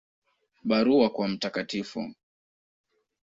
Barua kwa Mt.